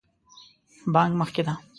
بانک مخکې ده